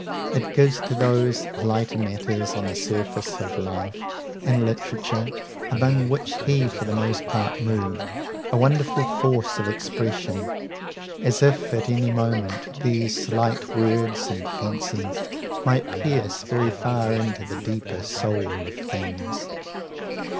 It gives to those lighter matters on the surface of life and literature among which he for the most part moved, a wonderful force of expression, as if at any moment these slight words and fancies might pierce very far into the deeper soul of things.